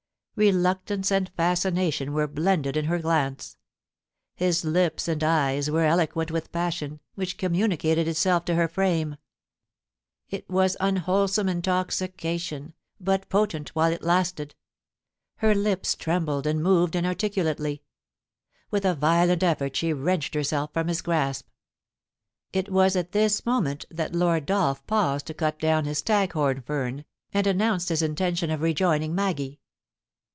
Reluctance and fascination were blended in her glance. His lips and eyes were eloquent with passion, which communicated itself to her frame. It was unwholesome intoxication, but potent while it lasted. Her lips trembled and moved inarticulately ... With a violent effort she wrenched herself from his grasp. It was at this moment that Lord Dolph paused to cut down his staghom fern, and announced his intention of re joining Maggie.